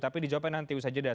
tapi dijawabkan nanti ustaz jeddah